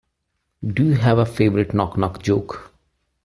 Do you have a favourite knock knock joke?